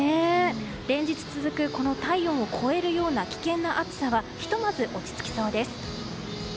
連日続く体温を超えるような危険な暑さはひとまず落ち着きそうです。